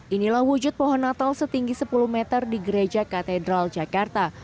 inilah wujud pohon natal setinggi sepuluh meter di gereja katedral jakarta